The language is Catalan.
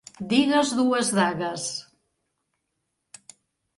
Digues dues dagues.